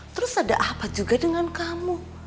terus ada apa juga dengan kamu